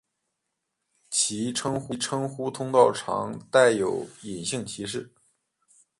其称呼通常带有隐性歧视。